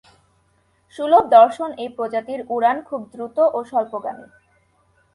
সুলভ দর্শন এই প্রজাতির উড়ান খুব দ্রুত ও স্বল্পগামী।